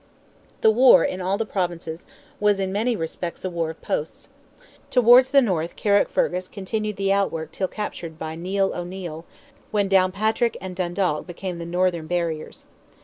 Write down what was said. The war, in all the Provinces, was in many respects a war of posts. Towards the north Carrickfergus continued the outwork till captured by Neil O'Neil, when Downpatrick and Dundalk became the northern barriers.